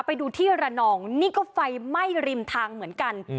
ไปดูที่ระนองนี่ก็ไฟไหม้ริมทางเหมือนกัน